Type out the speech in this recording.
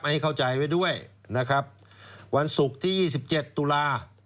ให้เข้าใจไว้ด้วยนะครับวันศุกร์ที่ยี่สิบเจ็ดตุลา